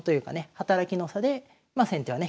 働きの差でまあ先手はね